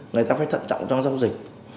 người ta phải thận trọng trong giao dịch